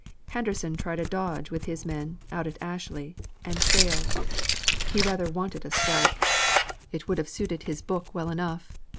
Henderson tried a dodge with his men, out at Ashley, and failed. He rather wanted a strike; it would have suited his book well enough.